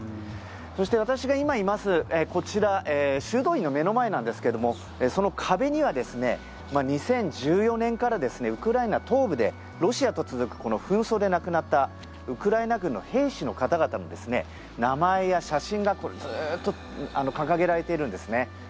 そして私が今います、こちら修道院の目の前なんですけどもその壁には２０１４年からウクライナ東部でロシアと続く紛争で亡くなったウクライナ軍の兵士の方々の名前や写真がずっと掲げられているんですね。